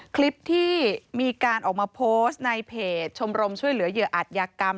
คลิปที่มีการออกมาโพสต์ในเพจชมรมช่วยเหลือเหยื่ออัตยากรรม